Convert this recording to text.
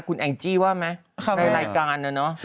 คุณแองจี้ว่าไหมในรายการนะเนอะ